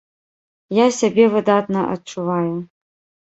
Я сябе выдатна адчуваю!